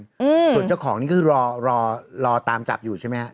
ส่วนเจ้าของนี่ก็คือรอตามจับอยู่ใช่ไหมครับ